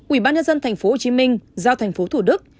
ủy ban nhân dân tp hcm giao tp thủ đức